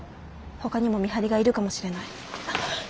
ほかにも見張りがいるかもしれない。